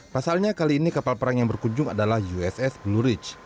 pasalnya kali ini kapal perang yang berkunjung adalah uss blue rich